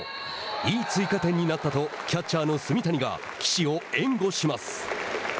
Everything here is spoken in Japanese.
「いい追加点になった」とキャッチャーの炭谷が岸を援護します。